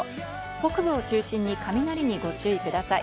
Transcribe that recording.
北部を中心に雷にご注意ください。